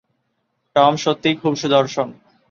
Tom সত্যিই খুব সুদর্শন।